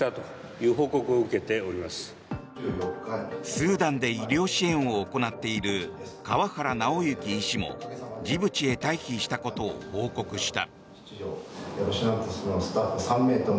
スーダンで医療支援を行っている川原尚行医師もジブチへ退避したことを報告した。